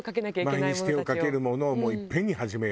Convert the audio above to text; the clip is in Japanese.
毎日手をかけるものをもういっぺんに始めようと。